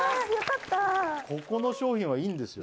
ここの商品はいいんですよ。